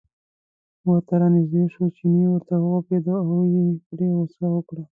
ورته را نژدې شو، چیني ورته و غپېده او یې پرې غوسه وکړه.